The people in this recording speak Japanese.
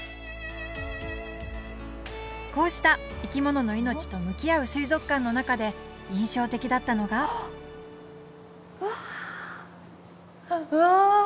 こうした生き物の命と向き合う水族館の中で印象的だったのがわうわ